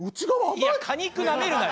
いや果肉なめるなよ！